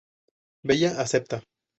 Bella acepta.